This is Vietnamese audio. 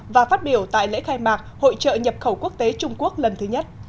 và phát biểu tại lễ khai mạc hội trợ nhập khẩu quốc tế trung quốc lần thứ nhất